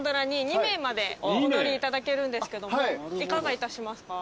お乗りいただけるんですけどもいかがいたしますか？